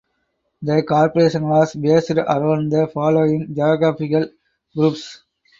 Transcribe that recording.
The corporation was based around the following geographical groups.